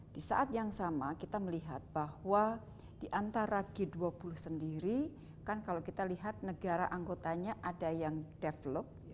di saat yang sama kita melihat bahwa di antara g dua puluh sendiri kan kalau kita lihat negara anggotanya ada yang develop